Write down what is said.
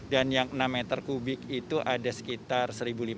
dan yang enam meter kubik itu ada sekitar satu lima ratus